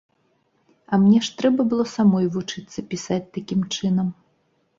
А мне ж трэба было самой вучыцца пісаць такім чынам!